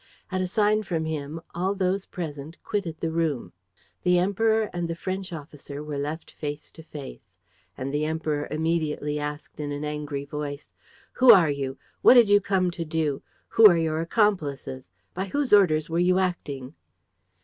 At a sign from him, all those present quitted the room. The Emperor and the French officer were left face to face. And the Emperor immediately asked, in an angry voice: "Who are you? What did you come to do? Who are your accomplices? By whose orders were you acting?"